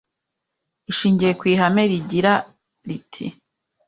ishingiye ku ihame rigira riti